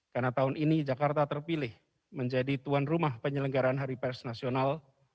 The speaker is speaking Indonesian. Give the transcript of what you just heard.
karena tahun ini jakarta terpilih menjadi tuan rumah penyelenggaraan hari pers nasional